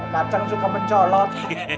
kacang suka mencolot